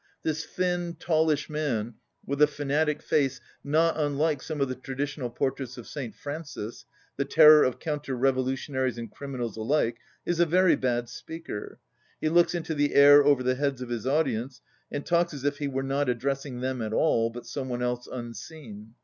This thin, tallish man, with a fanatic face not un like some of the traditional portraits of St. Francis, the terror of counter revolutionaries and criminals alike, is a very bad speaker. He looks into the air over the heads of his audience and talks as if he were not addressing them at all but some one else unseen.